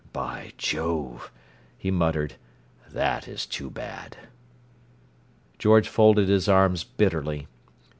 "By Jove!" he muttered. "That is too bad!" George folded his arms bitterly.